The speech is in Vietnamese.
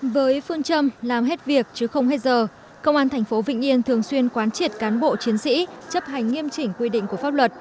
với phương châm làm hết việc chứ không hết giờ công an thành phố vĩnh yên thường xuyên quán triệt cán bộ chiến sĩ chấp hành nghiêm chỉnh quy định của pháp luật